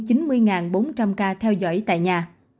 chín mươi bốn trăm linh ca theo dõi tại nhà